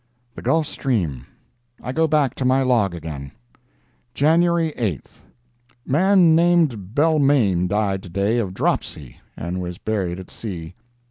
THE GULF STREAM I go back to my log again: "JANUARY 8th—Man named Belmayne died to day of dropsy, and was buried at sea.